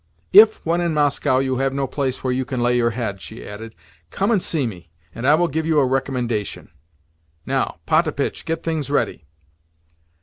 "If, when in Moscow, you have no place where you can lay your head," she added, "come and see me, and I will give you a recommendation. Now, Potapitch, get things ready."